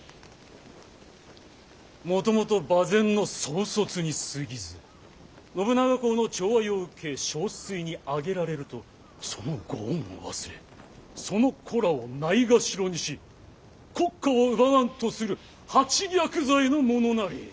「もともと馬前の走卒にすぎず信長公の寵愛を受け将帥にあげられるとそのご恩を忘れその子らをないがしろにし国家を奪わんとする八逆罪の者なり。